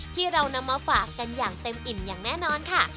ที่เรานำมาฝากกันอย่างเต็มอิ่มอย่างแน่นอนค่ะ